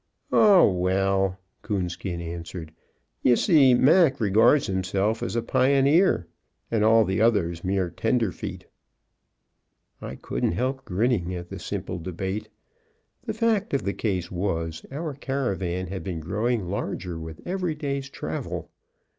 "Oh, well," Coonskin answered, "you see Mac regards himself a pioneer and all the others mere tenderfeet." I couldn't help grinning at the simple debate. The fact of the case was, our caravan had been growing larger with every day's travel.